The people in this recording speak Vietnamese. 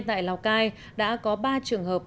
tại lào cai đã có ba trường hợp